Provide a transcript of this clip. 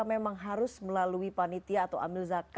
yang harus melalui panitia atau ambil zakat